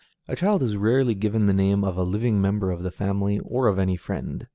A child is rarely given the name of a living member of the family, or of any friend.